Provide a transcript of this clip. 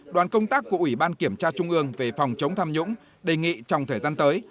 đoàn công tác của ủy ban kiểm tra trung ương về phòng chống tham nhũng đề nghị trong thời gian tới